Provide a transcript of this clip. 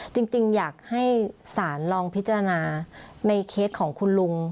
จริงอยากให้ศาลลองพิจารณาในเคสของคุณลุง